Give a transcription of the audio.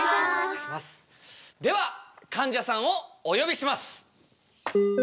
ではかんじゃさんをお呼びします！